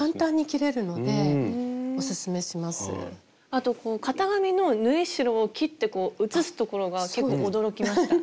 あと型紙の縫い代を切って写すところが結構驚きました。